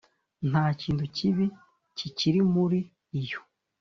nta kintu kibi kikiri muri iyo